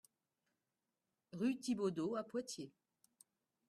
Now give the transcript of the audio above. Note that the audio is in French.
Rue Thibaudeau à Poitiers